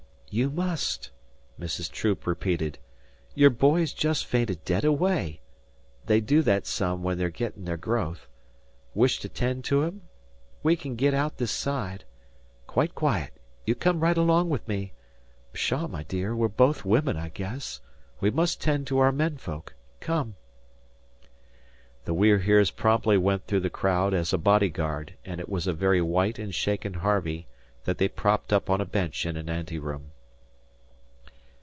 "You must," Mrs. Troop repeated. "Your boy's jest fainted dead away. They do that some when they're gettin' their growth. 'Wish to tend to him? We can git aout this side. Quite quiet. You come right along with me. Psha', my dear, we're both women, I guess. We must tend to aour men folk. Come!" The We're Heres promptly went through the crowd as a body guard, and it was a very white and shaken Harvey that they propped up on a bench in an anteroom.